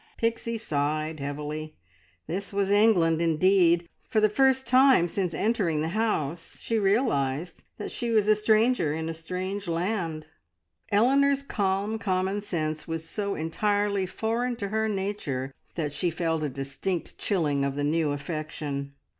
Pixie sighed heavily. This was England indeed! For the first time since entering the house she realised that she was a stranger in a strange land. Eleanor's calm commonsense was so entirely foreign to her nature that she felt a distinct chilling of the new affection.